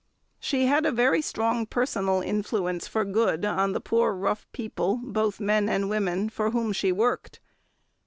She had a very strong personal influence for good on the poor rough people, both men and women, for whom she worked.